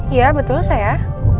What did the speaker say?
iya betul sayah